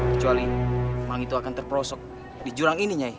kecuali maling itu akan terprosok di jurang ini nyai